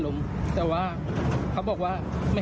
ผมรู้ว่าเขากับทางนั้น